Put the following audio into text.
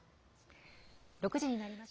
６時になりました。